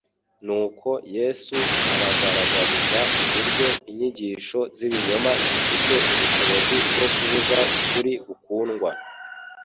Nuko Yesu abagaragariza uburyo inyigisho z'ibinyoma zifite ubushobozi bwo kubuza ukuri gukundwa